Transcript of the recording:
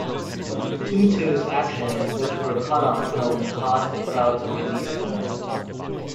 Tutu's actions, which were caught on film, caused the crowd to release the man.